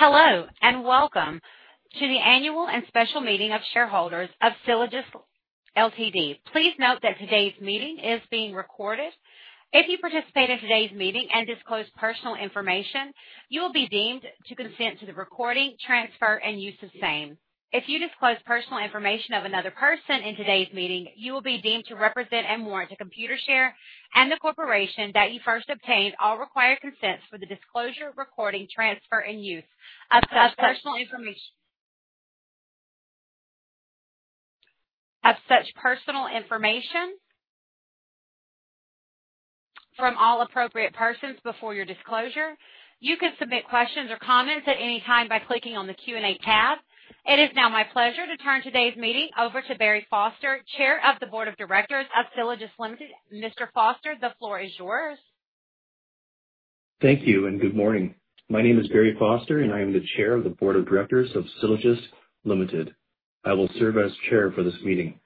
Hello, and welcome to the Annual and Special Meeting of Shareholders of Sylogist Ltd. Please note that today's meeting is being recorded. If you participate in today's meeting and disclose personal information, you will be deemed to consent to the recording, transfer, and use the same. If you disclose personal information of another person in today's meeting, you will be deemed to represent and warrant to Computershare and the corporation that you first obtained all required consents for the disclosure, recording, transfer, and use of such personal information from all appropriate persons before your disclosure. You can submit questions or comments at any time by clicking on the Q&A tab. It is now my pleasure to turn today's meeting over to Barry Foster, Chair of the Board of Directors of Sylogist Ltd. Mr. Foster, the floor is yours. Thank you and good morning. My name is Barry Foster, and I am the Chair of the Board of Directors of Sylogist Ltd. I will serve as chair for this meeting.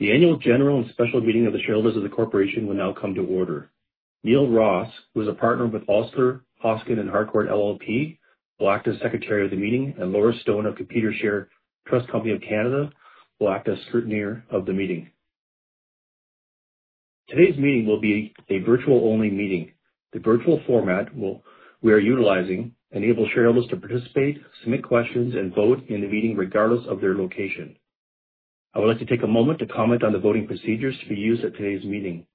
The annual general and special meeting of the shareholders of the corporation will now come to order. Neal Ross, who is a partner with Osler, Hoskin & Harcourt LLP, will act as secretary of the meeting, and Laura Stone of Computershare Trust Company of Canada will act as scrutineer of the meeting. Today's meeting will be a virtual-only meeting. The virtual format we are utilizing enables shareholders to participate, submit questions, and vote in the meeting regardless of their location. I would like to take a moment to comment on the voting procedures to be used at today's meeting.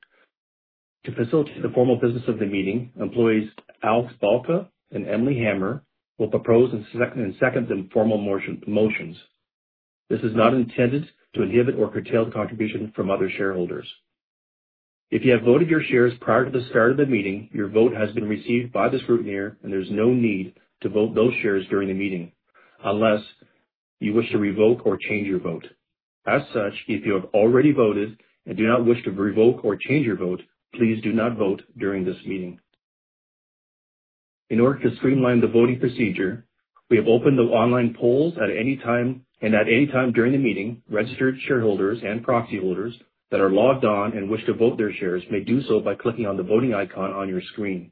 To facilitate the formal business of the meeting, employees Alex Balca and Emily Hammer will propose and second the formal motions. This is not intended to inhibit or curtail the contribution from other shareholders. If you have voted your shares prior to the start of the meeting, your vote has been received by the scrutineer, and there's no need to vote those shares during the meeting unless you wish to revoke or change your vote. As such, if you have already voted and do not wish to revoke or change your vote, please do not vote during this meeting. In order to streamline the voting procedure, we have opened the online polls at any time, and at any time during the meeting, registered shareholders and proxy holders that are logged on and wish to vote their shares may do so by clicking on the voting icon on your screen.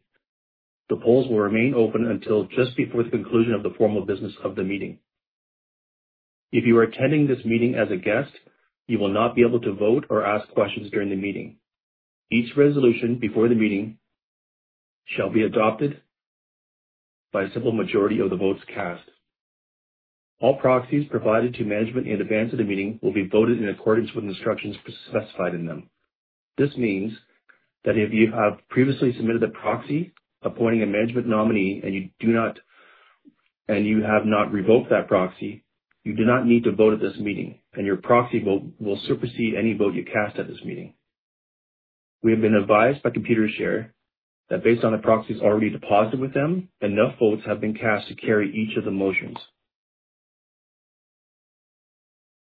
The polls will remain open until just before the conclusion of the formal business of the meeting. If you are attending this meeting as a guest, you will not be able to vote or ask questions during the meeting. Each resolution before the meeting shall be adopted by a simple majority of the votes cast. All proxies provided to management in advance of the meeting will be voted in accordance with instructions specified in them. This means that if you have previously submitted a proxy appointing a management nominee, and you have not revoked that proxy, you do not need to vote at this meeting, and your proxy will supersede any vote you cast at this meeting. We have been advised by Computershare that based on the proxies already deposited with them, enough votes have been cast to carry each of the motions.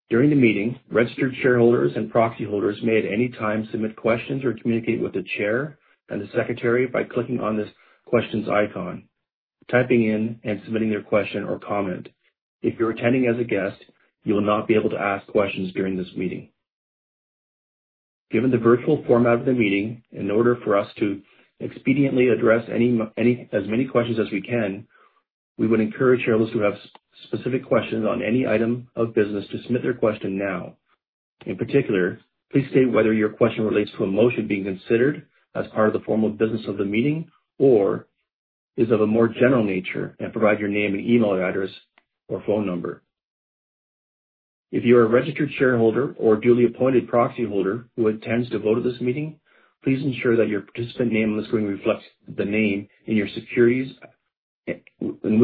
During the meeting, registered shareholders and proxy holders may at any time submit questions or communicate with the chair and the secretary by clicking on this questions icon, typing in, and submitting their question or comment. If you're attending as a guest, you will not be able to ask questions during this meeting. Given the virtual format of the meeting, in order for us to expediently address as many questions as we can, we would encourage shareholders who have specific questions on any item of business to submit their question now. In particular, please state whether your question relates to a motion being considered as part of the formal business of the meeting or is of a more general nature, and provide your name and email address or phone number. If you're a registered shareholder or duly appointed proxy holder who intends to vote at this meeting, please ensure that your participant name on the screen reflects the name in which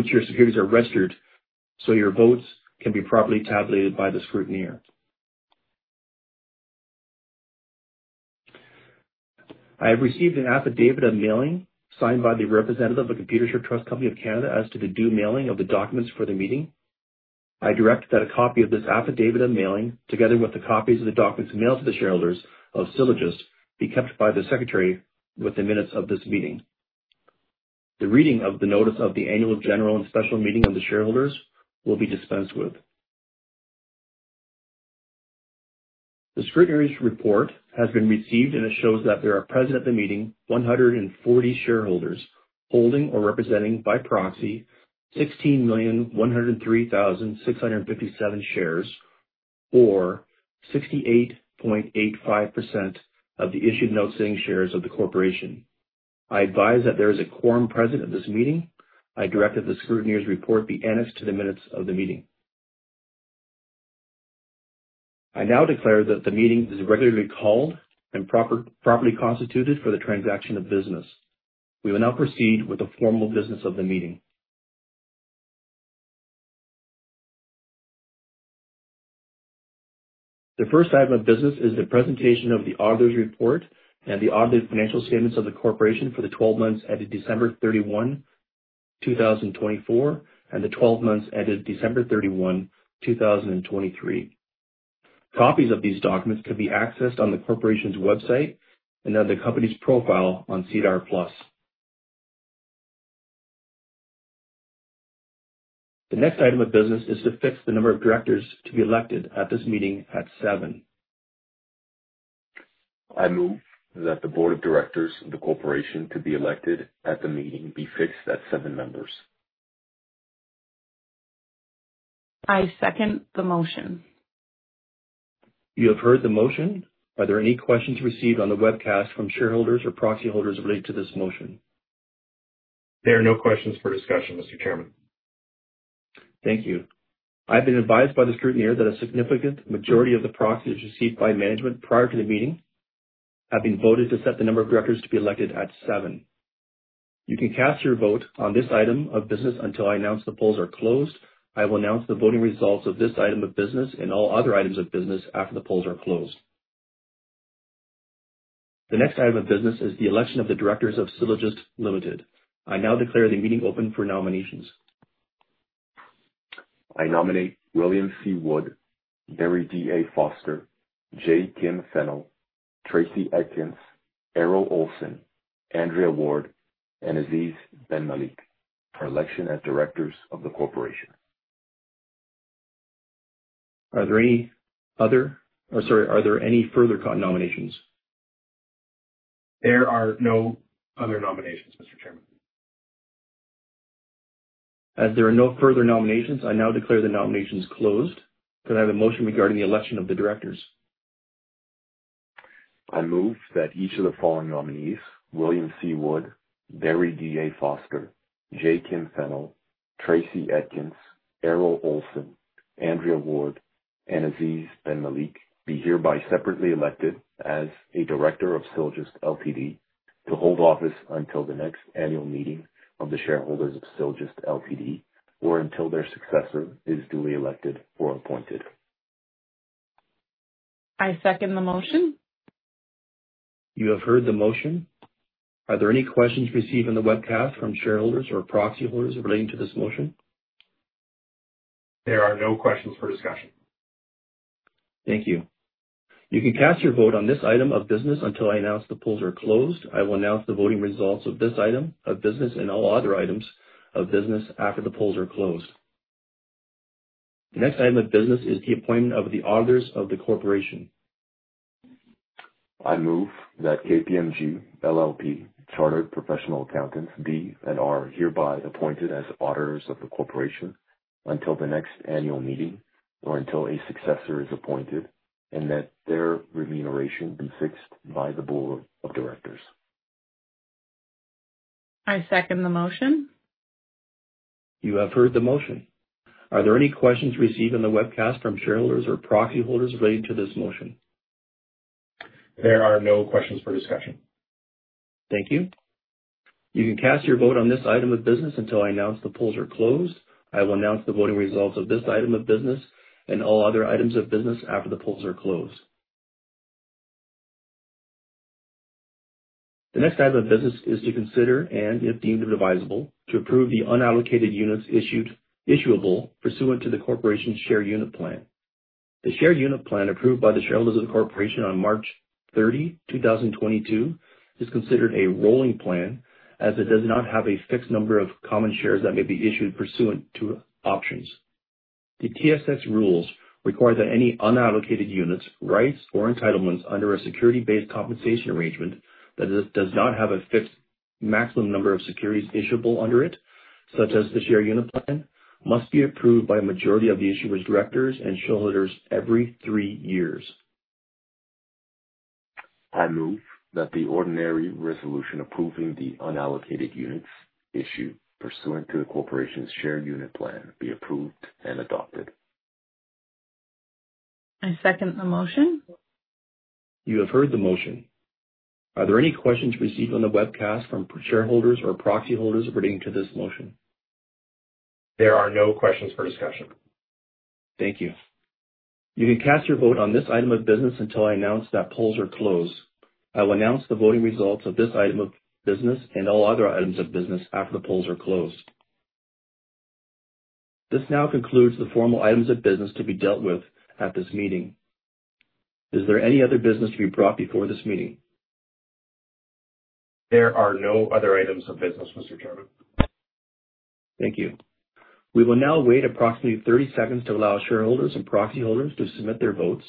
your securities are registered so your votes can be properly tabulated by the scrutineer. I have received an affidavit of mailing signed by the representative of Computershare Trust Company of Canada as to the due mailing of the documents for the meeting. I direct that a copy of this affidavit of mailing, together with the copies of the documents mailed to the shareholders of Sylogist, be kept by the secretary with the minutes of this meeting. The reading of the notice of the annual general and special meeting of the shareholders will be dispensed with. The scrutineer's report has been received, and it shows that there are present at the meeting 140 shareholders holding or representing by proxy 16,103,657 shares, or 68.85% of the issued and outstanding shares of the corporation. I advise that there is a quorum present at this meeting. I direct that the scrutineer's report be annexed to the minutes of the meeting. I now declare that the meeting is regularly called and properly constituted for the transaction of business. We will now proceed with the formal business of the meeting. The first item of business is the presentation of the auditor's report and the audited financial statements of the corporation for the 12 months ended December 31, 2024, and the 12 months ended December 31, 2023. Copies of these documents can be accessed on the corporation's website and on the company's profile on SEDAR+. The next item of business is to fix the number of directors to be elected at this meeting at seven. I move that the board of directors of the corporation to be elected at the meeting be fixed at seven members. I second the motion. You have heard the motion. Are there any questions received on the webcast from shareholders or proxy holders relating to this motion? There are no questions for discussion, Mr. Chairman. Thank you. I've been advised by the scrutineer that a significant majority of the proxies received by management prior to the meeting have been voted to set the number of directors to be elected at seven. You can cast your vote on this item of business until I announce the polls are closed. I will announce the voting results of this item of business and all other items of business after the polls are closed. The next item of business is the election of the directors of Sylogist Ltd. I now declare the meeting open for nominations. I nominate William C. Wood, Barry D.A. Foster, J. Kim Fennell, Tracy Edkins, Errol Olsen, Andrea Ward, and Aziz Benmalek for election as directors of the corporation. Are there any further nominations? There are no other nominations, Mr. Chairman. As there are no further nominations, I now declare the nominations closed. Could I have a motion regarding the election of the directors? I move that each of the following nominees, William C. Wood, Barry D.A. Foster, J. Kim Fennell, Tracy Edkins, Errol Olsen, Andrea Ward, and Aziz Benmalek, be hereby separately elected as a director of Sylogist Ltd. to hold office until the next annual meeting of the shareholders of Sylogist Ltd., or until their successor is duly elected or appointed. I second the motion. You have heard the motion. Are there any questions received on the webcast from shareholders or proxy holders relating to this motion? There are no questions for discussion. Thank you. You can cast your vote on this item of business until I announce the polls are closed. I will announce the voting results of this item of business and all other items of business after the polls are closed. The next item of business is the appointment of the auditors of the corporation. I move that KPMG LLP Chartered Professional Accountants be and are hereby appointed as auditors of the corporation until the next annual meeting or until a successor is appointed, and that their remuneration be fixed by the board of directors. I second the motion. You have heard the motion. Are there any questions received on the webcast from shareholders or proxy holders relating to this motion? There are no questions for discussion. Thank you. You can cast your vote on this item of business until I announce the polls are closed. I will announce the voting results of this item of business and all other items of business after the polls are closed. The next item of business is to consider, and if deemed advisable, to approve the unallocated units issuable pursuant to the corporation's share unit plan. The share unit plan approved by the shareholders of the corporation on March 30, 2022, is considered a rolling plan as it does not have a fixed number of common shares that may be issued pursuant to options. The TSX rules require that any unallocated units, rights or entitlements under a security-based compensation arrangement that does not have a fixed maximum number of securities issuable under it, such as the share unit plan, must be approved by a majority of the issuer's directors and shareholders every three years. I move that the ordinary resolution approving the unallocated units issued pursuant to the corporation's share unit plan be approved and adopted. I second the motion. You have heard the motion. Are there any questions received on the webcast from shareholders or proxy holders relating to this motion? There are no questions for discussion. Thank you. You can cast your vote on this item of business until I announce that polls are closed. I will announce the voting results of this item of business and all other items of business after the polls are closed. This now concludes the formal items of business to be dealt with at this meeting. Is there any other business to be brought before this meeting? There are no other items of business, Mr. Chairman. Thank you. We will now wait approximately 30 seconds to allow shareholders and proxy holders to submit their votes,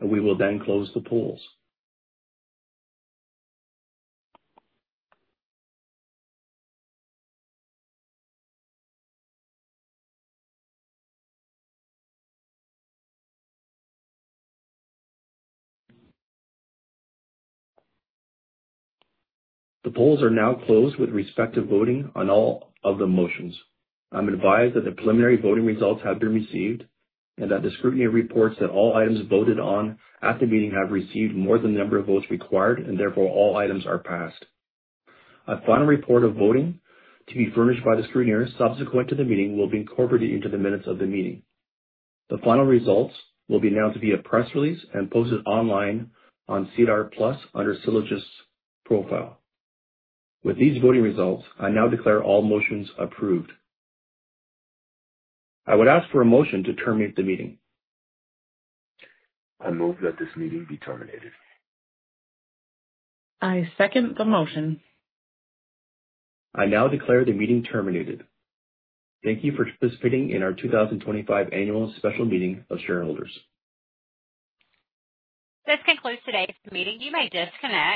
and we will then close the polls. The polls are now closed with respect to voting on all of the motions. I'm advised that the preliminary voting results have been received and that the scrutineer reports that all items voted on at the meeting have received more than the number of votes required, and therefore all items are passed. A final report of voting to be furnished by the scrutineers subsequent to the meeting will be incorporated into the minutes of the meeting. The final results will be announced via press release and posted online on SEDAR+ under Sylogist profile. With these voting results, I now declare all motions approved. I would ask for a motion to terminate the meeting. I move that this meeting be terminated. I second the motion. I now declare the meeting terminated. Thank you for participating in our 2025 Annual Special Meeting of Shareholders. This concludes today's meeting. You may disconnect.